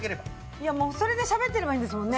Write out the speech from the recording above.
いやもうそれでしゃべってればいいんですもんね。